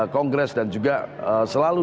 kongres dan juga selalu